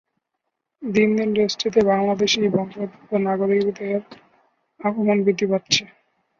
দিন দিন দেশটিতে বাংলাদেশী বংশোদ্ভূত নাগরিকদের আগমন বৃদ্ধি পাচ্ছে।